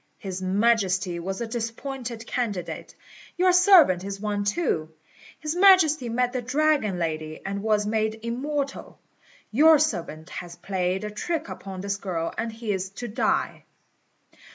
His Majesty was a disappointed candidate; your servant is one too. His Majesty met the Dragon Lady, and was made immortal; your servant has played a trick upon this girl, and he is to die.